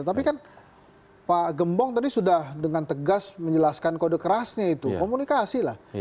tapi kan pak gembong tadi sudah dengan tegas menjelaskan kode kerasnya itu komunikasi lah